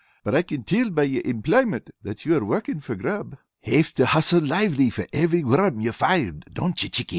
But I can till by your employmint that you are working for grub. Have to hustle lively for every worm you find, don't you, Chickie?